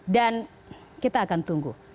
dan kita akan tunggu